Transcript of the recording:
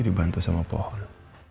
kita bisa menanggung